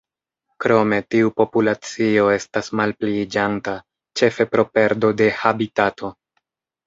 Krome, tiu populacio estas malpliiĝanta, ĉefe pro perdo de habitato.